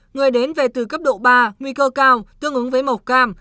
người đến về từ cấp độ ba nguy cơ cao tương ứng với màu cam